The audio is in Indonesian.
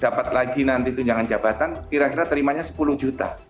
dapat lagi nanti tunjangan jabatan kira kira terimanya sepuluh juta